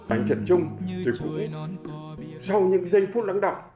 anh trần trung tôi cũng sau những giây phút lãng động